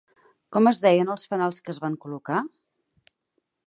Com es deien els fanals que es van col·locar?